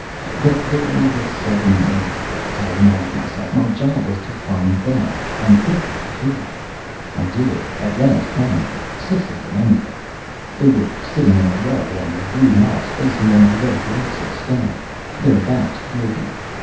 But there were the seven native girls, I reminded myself. My job was to find them, and quickly, too. I did, at last, find them. Six of them, anyway. They were sitting in a row on the blue moss, facing one of the red blocks of stone, their backs toward me.